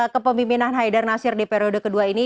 kepemimpinan haidar nasir di periode kedua ini